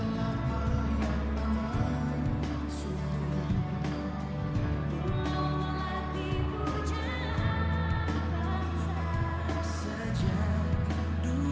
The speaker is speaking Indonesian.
dan kepala cu empat a angkatan bersenjata singapura